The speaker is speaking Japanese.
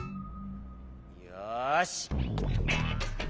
よし。